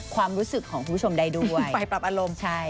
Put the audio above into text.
ความรู้สึกของคุณผู้ชมได้ด้วย